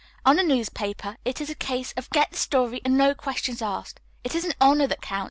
On a newspaper it is a case of get the story and no questions asked. It isn't honor that counts.